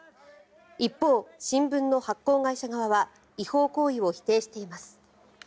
一方、新聞の発行会社側は違法行為を否定しています。